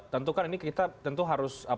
tentu kan ini kita tentu harus